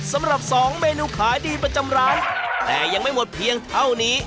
สองเมนูขายดีประจำร้านแต่ยังไม่หมดเพียงเท่านี้